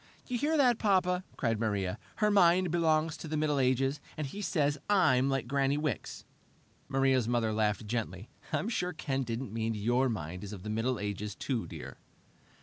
"You hear that, Papa?" cried Maria. "Her mind belongs to the Middle Ages, and he says I'm like Granny Wicks!" Maria's mother laughed gently. "I'm sure Ken didn't mean your mind is of the Middle Ages, too, dear."